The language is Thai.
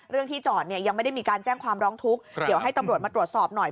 ที่จอดเนี่ยยังไม่ได้มีการแจ้งความร้องทุกข์เดี๋ยวให้ตำรวจมาตรวจสอบหน่อย